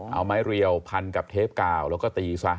เอาไม้เรียวพันกับเทปกาวแล้วก็ตีซะ